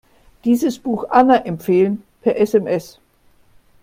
Dieses Buch Anna empfehlen, per SMS.